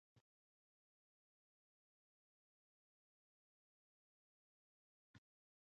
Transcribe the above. ونې یې له بېخه راویستلې.